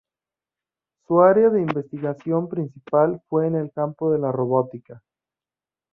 Su área de investigación principal fue en el campo de la robótica.